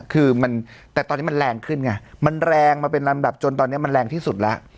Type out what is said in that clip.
คือมันแต่ตอนนี้มันแรงขึ้นไงมันแรงมาเป็นลำดับจนตอนนี้มันแรงที่สุดแล้ว